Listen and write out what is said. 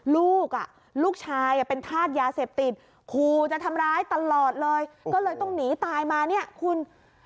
ลูกอ่ะลูกชายเป็นธาตุยาเสพติดคูจะทำร้ายตลอดเลยก็เลยต้องหนีตายมาเนี่ยคุณ